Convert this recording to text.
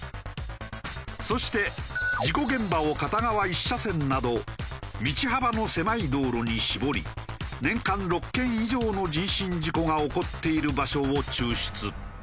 そして事故現場を片側１車線など道幅の狭い道路に絞り年間６件以上の人身事故が起こっている場所を抽出。